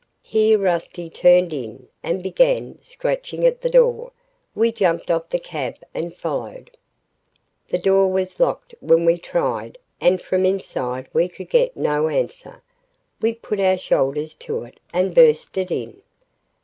Here Rusty turned in and began scratching at the door. We jumped off the cab and followed. The door was locked when we tried and from inside we could get no answer. We put our shoulders to it and burst it in.